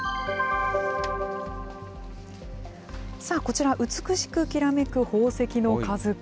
さあ、こちら美しくきらめく宝石の数々。